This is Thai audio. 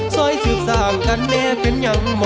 เธอไม่รู้ว่าเธอไม่รู้